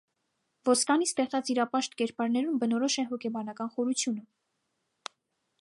Ոսկանի ստեղծած իրապաշտ կերպարներուն բնորոշ է հոգեբանական խորութիւնը։